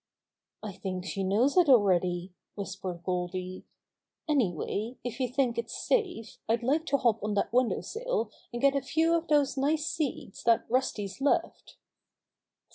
"I think she knows it already," whispered Goldy. "Anyway, if you think it's safe, I'd like to hop on that window sill and get a few of those nice seeds that Rusty's left."